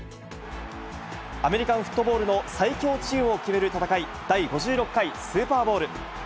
アメリカンフットボールの最強チームを決める戦い、第５６回スーパーボウル。